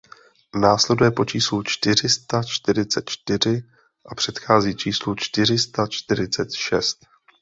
Následuje po číslu čtyři sta čtyřicet čtyři a předchází číslu čtyři sta čtyřicet šest.